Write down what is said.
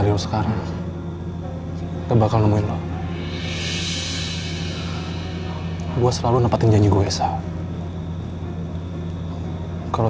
tunggu dulu sasha